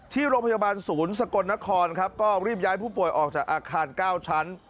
ที่โรงพยาบาลศูนย์สกลนครครับก็รีบย้ายผู้ป่วยออกจากอาคาร๙ชั้น